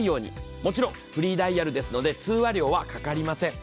もちろんフリーダイヤルですので通話料はかかりません。